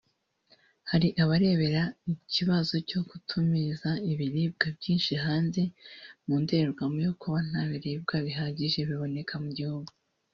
Hari abarebera ikibazo cyo gutumiza ibiribwa byinshi hanze mu ndorerwamo yo kuba nta biribwa bihagije biboneka mu gihugu